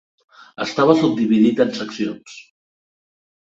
Estava subdividit en seccions.